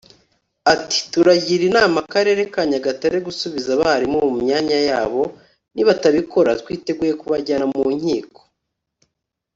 Ati "Turagira inama Akarere ka Nyagatare gusubiza abarimu mu myanya yabo nibatabikora twiteguye kubajyana mu nkiko